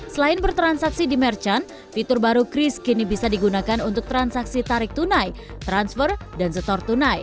selain bertransaksi di merchant fitur baru kris kini bisa digunakan untuk transaksi tarik tunai transfer dan setor tunai